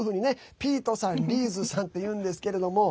ピートさん、リーズさんっていうんですけれども。